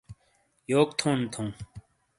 یوک تھونڈ تھَوں!